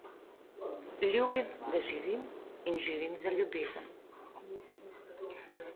Ljubim, da živim in živim za ljubezen.